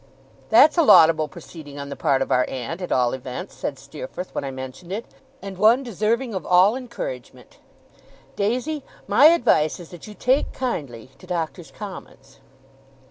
'That's a laudable proceeding on the part of our aunt, at all events,' said Steerforth, when I mentioned it; 'and one deserving of all encouragement. Daisy, my advice is that you take kindly to Doctors' Commons.